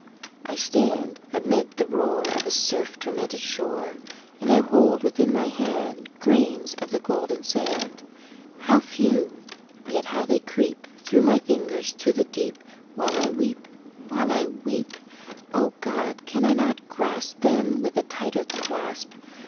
I stand amid the roar Of a surf tormented shore, And I hold within my hand Grains of the golden sand How few! yet how they creep Through my fingers to the deep While I weep while I weep! O God! can I not grasp Them with a tighter clasp?